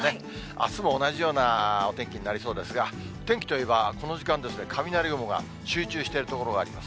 あすも同じようなお天気になりそうですが、天気といえば、この時間ですね、雷雲が集中している所があります。